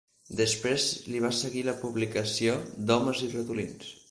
Després li va seguir la publicació d'"Homes i ratolins".